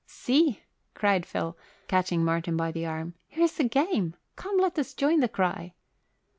"See!" cried Phil, catching Martin by the arm. "Here's a game. Come, let us join the cry."